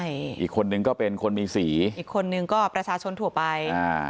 อีกคนหนึ่งก็เป็นคนมีสีอีกคนหนึ่งก็ประชาชนถั่วไป